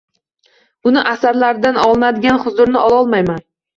Uni asarlaridan oladigan huzurni ololmayman.